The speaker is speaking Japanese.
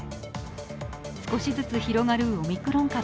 少しずつ広がるオミクロン株。